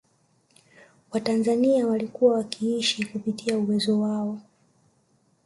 Watanzania walikuwa wakiishi kupita uwezo wao